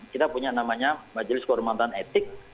kita punya namanya majelis kehormatan etik